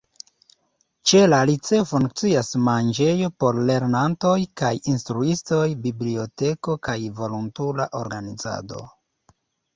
Ĉe la liceo funkcias manĝejo por lernantoj kaj instruistoj, biblioteko kaj volontula organizado.